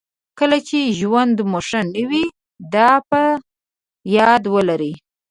کله چې ژوند مو ښه نه وي دا په یاد ولرئ.